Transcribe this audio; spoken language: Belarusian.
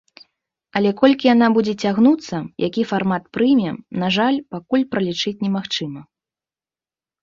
Але колькі яна будзе цягнуцца, які фармат прыме, на жаль, пакуль пралічыць немагчыма.